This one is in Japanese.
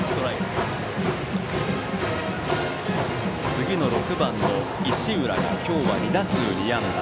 次の６番の石浦が今日は２打数２安打。